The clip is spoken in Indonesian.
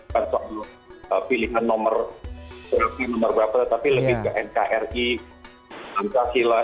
kan soal pilihan nomor nomor berapa tapi lebih nkri pancasila